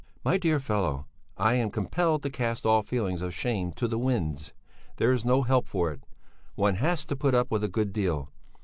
"My dear fellow! I am compelled to cast all feelings of shame to the winds; there's no help for it. One has to put up with a good deal.